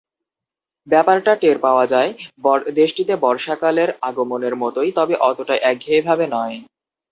ব্যাপারটা টের পাওয়া যায় দেশটিতে বর্ষাকালের আগমনের মতোই, তবে অতটা একঘেয়েভাবে নয়।